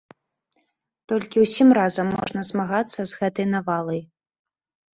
Толькі ўсім разам можна змагацца з гэтай навалай.